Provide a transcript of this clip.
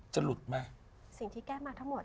จะหลุดไหม